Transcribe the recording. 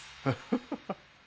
ハハハハ。